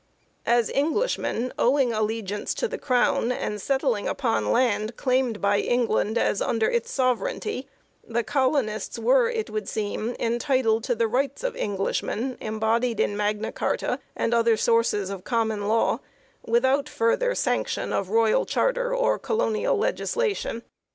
As Englishmen owing allegiance to the Crown and settling upon land claimed by England as under its sovereignty, the colonists were,, it would seem, en titled to the rights of Englishmen embodied in Magna Carta and other sources of Common Law without further sanction of royal charter or colonial legisla tion.